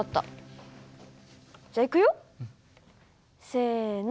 せの！